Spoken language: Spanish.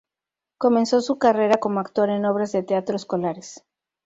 Comenzó su carrera como actor en obras de teatro escolares.